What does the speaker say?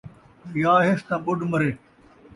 حیا ہس تاں ٻُݙ مرے